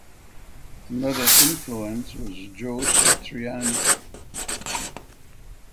Another influence was Joe Satriani.